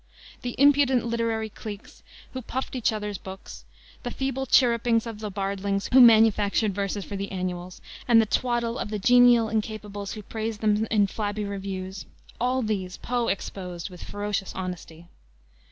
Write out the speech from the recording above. The "impudent literary cliques" who puffed each other's books; the feeble chirrupings of the bardlings who manufactured verses for the "Annuals;" and the twaddle of the "genial" incapables who praised them in flabby reviews all these Poe exposed with ferocious honesty.